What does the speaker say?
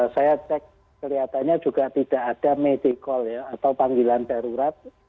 saya cek kelihatannya juga tidak ada medical ya atau panggilan darurat